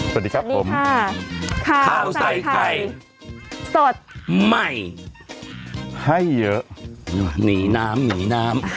สวัสดีครับผมข่าวใส่ไข่สดใหม่ให้เยอะหนีน้ำหนีน้ำ